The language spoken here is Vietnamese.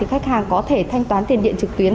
khách hàng có thể thanh toán tiền điện trực tuyến